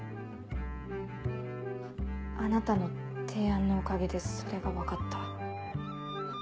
あなたの提案のおかげでそれが分かった。